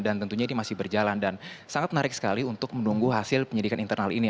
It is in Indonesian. dan tentunya ini masih berjalan dan sangat menarik sekali untuk menunggu hasil penyidikan internal ini